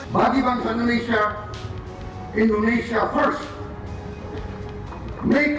bagi bangsa indonesia